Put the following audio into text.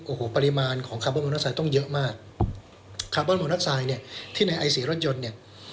โอ้โหปริมาณของคาร์บอนมอเตอร์ไซด์ต้องเยอะมากคาร์บอนโมนัสไซด์เนี่ยที่ในไอซีรถยนต์เนี่ย